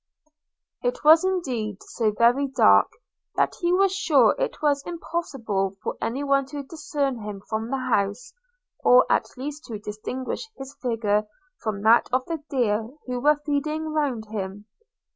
It was indeed so very dark that he was sure it was impossible for any one to discern him from the house, or at least to distinguish his figure from that of the deer who were feeding around him.